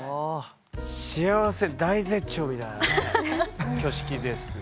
幸せ大絶頂みたいな挙式ですね。